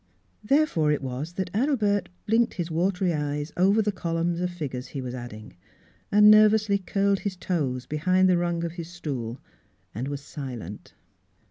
Therefore it was that Adelbert blinked his watery eyes over the columns of figures he was adding, and nervously curled his toes behind the rung of his stool and was silent.